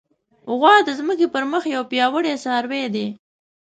غوا د ځمکې پر مخ یو پیاوړی څاروی دی.